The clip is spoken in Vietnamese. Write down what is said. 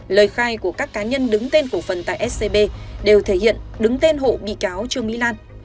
lời khai của các cá nhân đứng tên cổ phần tại scb đều thể hiện đứng tên hộ bị cáo trương mỹ lan